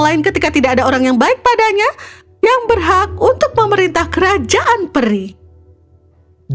lain ketika tidak ada orang yang baik padanya yang berhak untuk memerintah kerajaan peri jadi kami mengirim kalian berdua kesadaran tersenyum dan bikeramaya